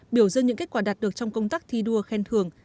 biểu dân những kết quả đạt được trong công tác thi đua khen thường